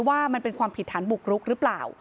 ว่ามันเป็นความผิดฐานบุกรุกหรือเปล่า